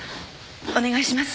お願いします。